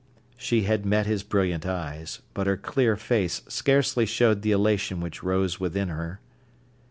She had met his brilliant eyes, but her clear face scarcely showed the elation which rose within her.